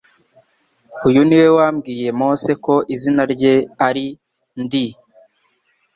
Uyu ni We wabwiye Mose ko izina rye ari NDI